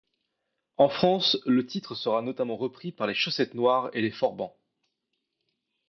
En France, le titre sera notamment repris par les Chaussettes Noires et les Forbans.